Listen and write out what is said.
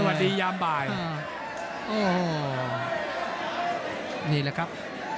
สวัสดียามบ่ายโอ้โหนี่แหละครับ